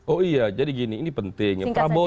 oh iya jadi gini ini penting prabowo